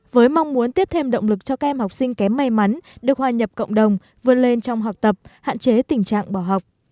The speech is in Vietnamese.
với mong muốn tiếp thêm động lực cho các em học sinh kém may mắn được hòa nhập cộng đồng vươn lên trong học tập hạn chế tình trạng bỏ học